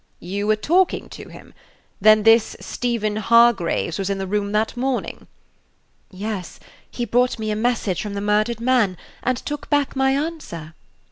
"You were talking to him? Then this Stephen Hargraves was in the room that morning?" "Yes; he brought me a message from the murdered man, and took back my answer."